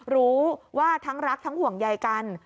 รู้ว่าทั้งรักทั้งห่วงใยกัน